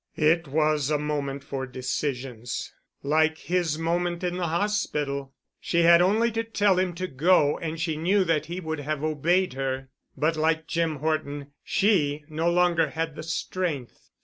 It was a moment for decisions, like his moment in the hospital. She had only to tell him to go and she knew that he would have obeyed her. But like Jim Horton, she no longer had the strength.